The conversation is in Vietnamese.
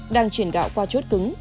đang chuyển gạo qua chốt cứng